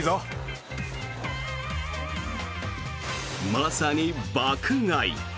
まさに爆買い。